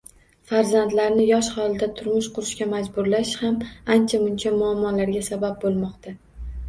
Farzandlarni yosh holida turmush qurishga majburlash ham ancha-muncha muammolarga sabab bo‘lmoqda.